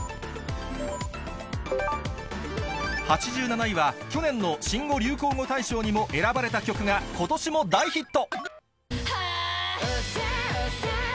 ８７位は、去年の新語・流行語大賞にも選ばれた曲がことしも大ヒット。